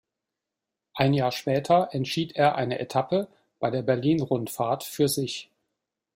Ein Jahr später entschied er eine Etappe bei der Berlin-Rundfahrt für sich.